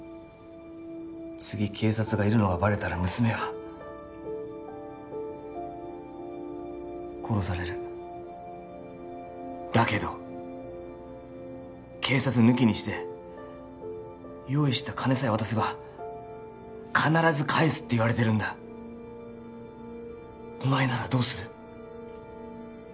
次警察がいるのがバレたら娘は殺されるだけど警察抜きにして用意した金さえ渡せば必ず返すって言われてるんだお前ならどうする？